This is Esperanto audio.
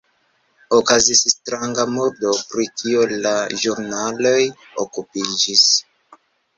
Okazis stranga murdo, pri kio la ĵurnaloj okupiĝis.